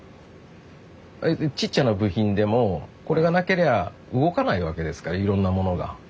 ちっちゃな部品でもこれがなけりゃ動かないわけですからいろんなものが。